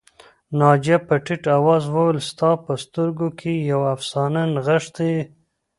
ناجیه په ټيټ آواز وویل ستا په سترګو کې یوه افسانه نغښتې